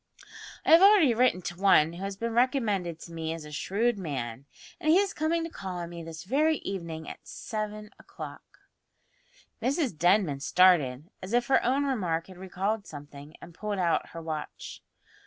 "I have already written to one who has been recommended to me as a shrewd man, and he is coming to call on me this very evening at seven o'clock." Mrs Denman started, as if her own remark had recalled something, and pulled out her watch.